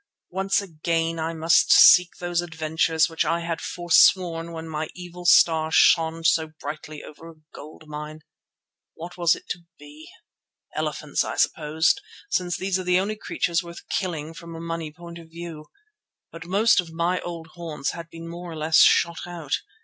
Once again I must seek those adventures which I had forsworn when my evil star shone so brightly over a gold mine. What was it to be? Elephants, I supposed, since these are the only creatures worth killing from a money point of view. But most of my old haunts had been more or less shot out.